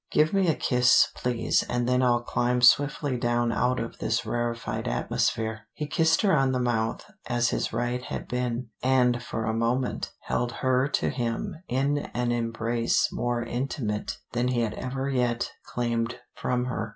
Give me a kiss, please, and then I'll climb swiftly down out of this rarefied atmosphere." He kissed her on the mouth, as his right had been, and for a moment held her to him in an embrace more intimate than he had ever yet claimed from her.